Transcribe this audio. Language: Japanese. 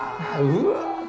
うわ！